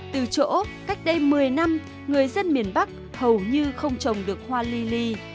từ chỗ cách đây một mươi năm người dân miền bắc hầu như không trồng được hoa li li